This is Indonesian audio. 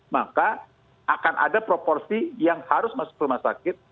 maka akan ada proporsi yang harus masuk rumah sakit